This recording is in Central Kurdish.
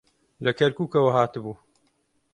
لە کەرکووکەوە هاتبوو.